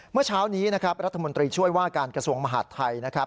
เมื่อเช้านี้นะครับรัฐมนตรีช่วยว่าการกระทรวงมหาดไทยนะครับ